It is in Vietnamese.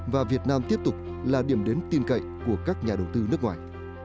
và việt nam tiếp tục là điểm đến tin cậy của các nhà đầu tư nước ngoài